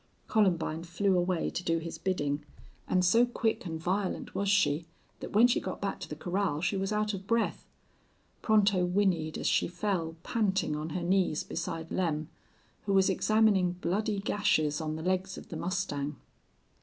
Columbine flew away to do his bidding, and so quick and violent was she that when she got back to the corral she was out of breath. Pronto whinnied as she fell, panting, on her knees beside Lem, who was examining bloody gashes on the legs of the mustang.